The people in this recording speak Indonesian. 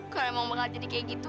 kalau emang bakal jadi kayak gitu